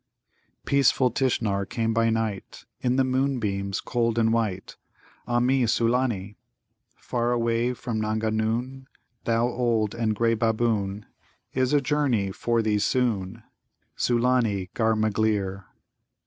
"Peaceful Tishnar came by night, In the moonbeams cold and white; Ah mi, Sulâni! 'Far away from Nanga noon, Thou old and grey Baboon; Is a journey for thee soon!' Sulâni, ghar magleer.